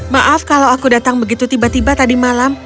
maaf kalau aku datang begitu tiba tiba tadi malam